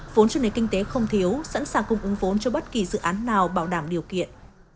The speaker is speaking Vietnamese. vốn cho nền kinh tế không thiếu sẵn sàng cung ứng vốn cho bất kỳ dự án nào bảo đảm điều kiện